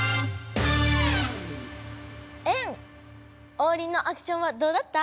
オウリンのアクションはどうだった？